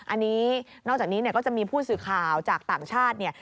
อันนี้นอกจากนี้ก็จะมีผู้สื่อข่าวจากต่างชาติ